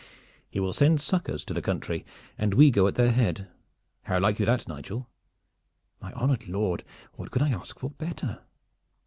He will send succors to the country, and we go at their head. How like you that, Nigel?" "My honored lord, what could I ask for better?"